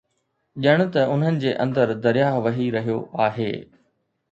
ڄڻ ته انهن جي اندر درياهه وهي رهيو آهي